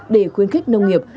để khuyến khích nông nghiệp